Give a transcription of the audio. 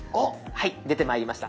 はい出てまいりました。